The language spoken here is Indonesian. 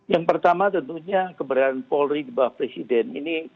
yang pertama tentunya keberadaan polri di bawah presiden ini